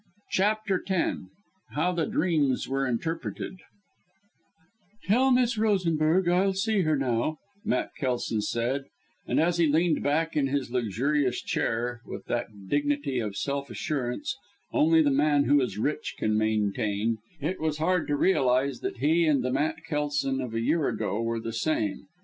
CHAPTER X HOW THE DREAMS WERE INTERPRETED "Tell Miss Rosenberg I'll see her now," Matt Kelson said; and as he leaned back in his luxurious chair with that dignity of self assurance only the man who is rich can maintain, it was hard to realise that he and the Matt Kelson of a year ago were the same.